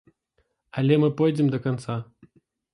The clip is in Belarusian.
Але мы пойдзем да канца.